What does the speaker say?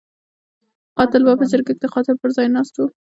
قاتل به په جرګه کې د قاتل پر ځای ناست وو.